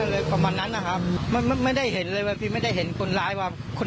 อะไรประมาณนั้นนะครับมันไม่ได้เห็นเลยว่าพี่ไม่ได้เห็นคนร้ายว่าคน